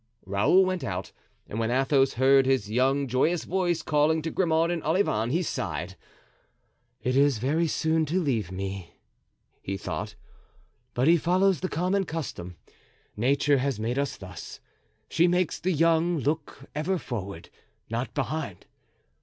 Raoul went out, and when Athos heard his young, joyous voice calling to Grimaud and Olivain, he sighed. "It is very soon to leave me," he thought, "but he follows the common custom. Nature has made us thus; she makes the young look ever forward, not behind.